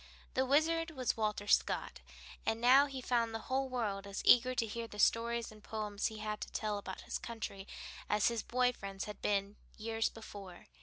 The Wizard was Walter Scott, and now he found the whole world as eager to hear the stories and poems he had to tell about his country as his boy friends had been years before.